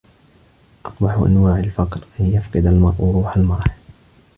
أقبح أنواع الفقر أن يفتقد المرء روح المرح.